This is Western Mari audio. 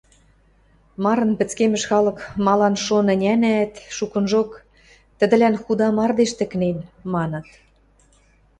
Марын пӹцкемӹш халык малан-шон ӹнянӓӓт, шукынжок: «Тӹдӹлӓн худа мардеж тӹкнен», – маныт...